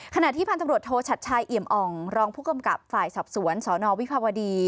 ขณะที่พันธุ์ตำรวจโทชัดชายเอี่ยมอ่องรองผู้กำกับฝ่ายสอบสวนสนวิภาวดี